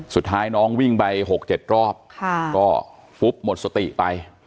สุดท้ายน้องวิ่งไป๖๗รอบก็ฟุบหมดสติไป